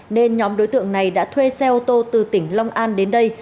nên nhóm đối tượng này đã thuê xe ô tô từ tỉnh long an đến đây